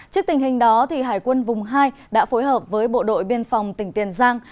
trước tình hình đó hải quân vùng hai đã phối hợp với bộ đội biên phòng tỉnh tiền giang